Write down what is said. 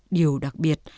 điều đặc biệt